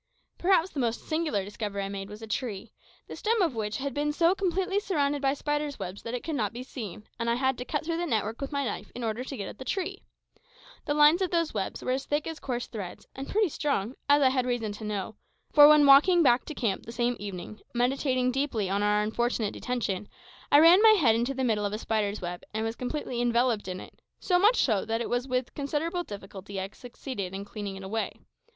Perhaps the most singular discovery I made was a tree, the stem of which had been so completely surrounded by spiders' webs that it could not be seen, and I had to cut through the network with my knife in order to get at the tree. The lines of those webs were as thick as coarse threads, and pretty strong, as I had reason to know; for when walking back to camp the same evening, meditating deeply on our unfortunate detention, I ran my head into the middle of a spider's web, and was completely enveloped in it, so much so that it was with considerable difficulty I succeeded in clearing it away.